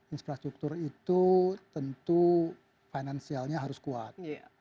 infrastruktur itu tentu finansialnya harus kuat